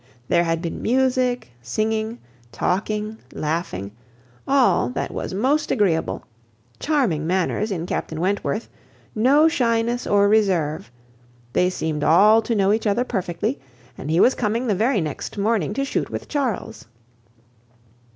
There had been music, singing, talking, laughing, all that was most agreeable; charming manners in Captain Wentworth, no shyness or reserve; they seemed all to know each other perfectly, and he was coming the very next morning to shoot with Charles.